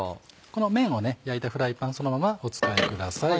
このめんを焼いたフライパンそのままお使いください。